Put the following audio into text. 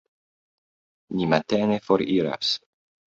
Ni matene foriras.